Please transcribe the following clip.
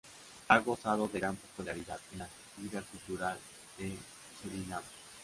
Ha gozado de gran popularidad en la vida cultural de Surinam.